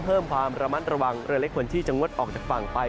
เพิ่มความระมัดระวังเรือเล็กควรที่จะงดออกจากฝั่งไป